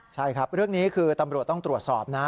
ใช่ครับเรื่องนี้คือตำรวจต้องตรวจสอบนะ